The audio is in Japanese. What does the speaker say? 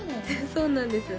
そうなんです